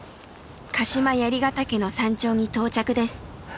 鹿島槍ヶ岳の山頂に到着です。